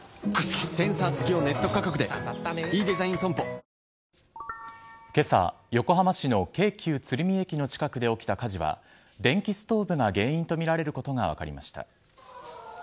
我々の勝利のために今朝、横浜市の京急鶴見駅の近くで起きた火事は電気ストーブが原因とみられることが分かりました。